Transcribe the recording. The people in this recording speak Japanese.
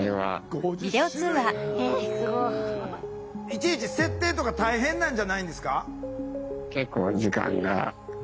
いちいち設定とか大変なんじゃないんですか？